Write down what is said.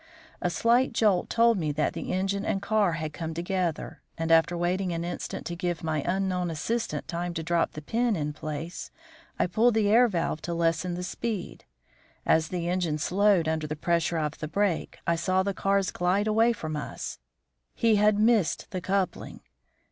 A slight jolt told me that the engine and car had come together, and after waiting an instant to give my unknown assistant time to drop the pin in place, I pulled the air valve to lessen the speed. As the engine slowed under the pressure of the brake, I saw the cars glide away from us. He had missed the coupling.